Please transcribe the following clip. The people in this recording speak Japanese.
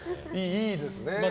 いいですね。